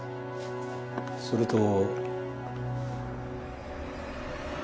それと。